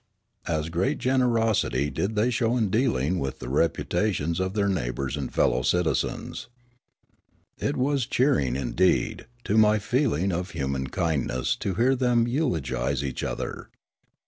As great generosity did they show in dealing with the reputations of their neighbours and fellow citizens. It was cheering, indeed, to my feeling of human kind ness to hear them eulogise each other.